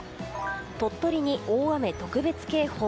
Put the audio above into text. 鳥取に大雨特別警報。